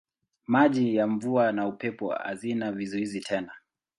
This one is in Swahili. Maji ya mvua na upepo hazina vizuizi tena.